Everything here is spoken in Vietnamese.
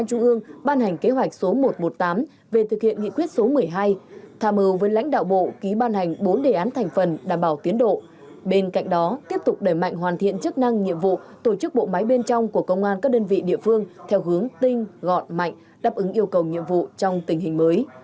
công an đã đảm bảo tiến đổi phát hành bốn đề án thành phần đảm bảo tiến đổi bên cạnh đó tiếp tục đẩy mạnh hoàn thiện chức năng nhiệm vụ tổ chức bộ máy bên trong của công an các đơn vị địa phương theo hướng tinh gọn mạnh đáp ứng yêu cầu nhiệm vụ trong tình hình mới